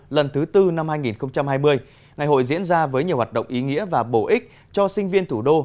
lần thứ tư năm hai nghìn hai mươi ngày hội diễn ra với nhiều hoạt động ý nghĩa và bổ ích cho sinh viên thủ đô